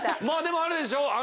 まぁでもあれでしょ？